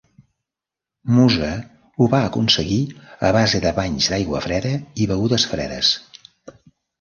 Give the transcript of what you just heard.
Musa ho va aconseguir a base de banys d'aigua freda i begudes fredes.